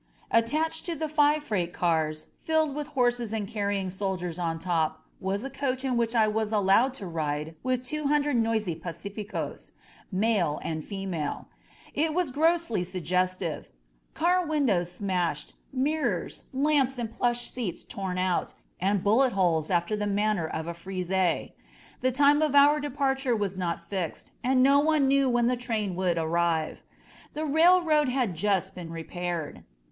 Attached to the five freight cars, filled with horses and carrying soldiers on top, was a coach in which I was allowed to ride with two hundred noisy pacificos^ male and female. It was gruesomely suggestive: car win dows smashed, mirrors, lamps and plush seats torn out, and bullet holes after the manner of a frieze. The time of our departure was not fixed, and no one knew when the train would arrive. The railroad had just been repaired.